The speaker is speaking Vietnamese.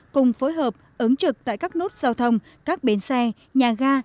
cùng phối hợp ứng trực tại các nút giao thông các bến xe nhà ga